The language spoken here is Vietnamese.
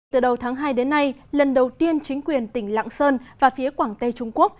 từ đầu tháng hai đến nay lần đầu tiên chính quyền tỉnh lạng sơn và phía quảng tây trung quốc